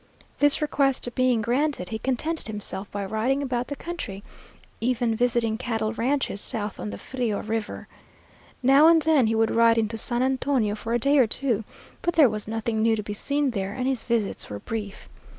This request being granted, he contented himself by riding about the country, even visiting cattle ranches south on the Frio River. Now and then he would ride into San Antonio for a day or two, but there was nothing new to be seen there, and his visits were brief.